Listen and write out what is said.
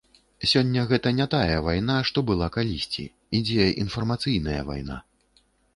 Сёння гэта не тая вайна, што была калісьці, ідзе інфармацыйная вайна.